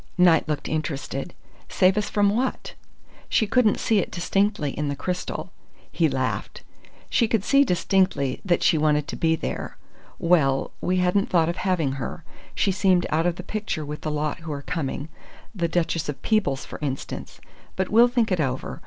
Knight looked interested. "Save us from what?" "She couldn't see it distinctly in the crystal." He laughed. "She could see distinctly that she wanted to be there. Well we hadn't thought of having her. She seemed out of the picture with the lot who are coming the Duchess of Peebles, for instance. But we'll think it over.